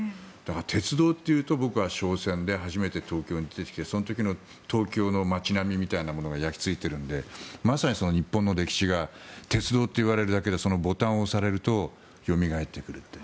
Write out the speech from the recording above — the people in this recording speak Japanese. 鉄道というと僕は省線で初めて東京に出てきてその時の東京の街並みみたいなものが焼きついているのでまさに日本の歴史が鉄道といわれるだけでそのボタンを押されるとよみがえってくると。